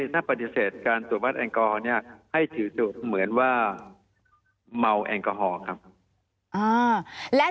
ถ้าปฏิเสธการตรวจวัดแอลกอฮอลให้ถือเหมือนว่าเมาแอลกอฮอล์ครับ